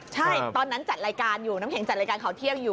ใช่ตอนนั้นจัดรายการอยู่น้ำแข็งจัดรายการข่าวเที่ยงอยู่